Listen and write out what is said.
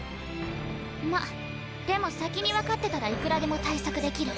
まっでも先に分かってたらいくらでも対策できる。